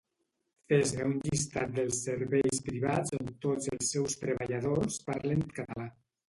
Fes-me un llistat dels Serveis Privats on tots els seus treballadors parlen català